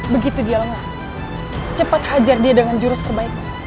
begitu dia lengah cepat hajar dia dengan jurus terbaiknya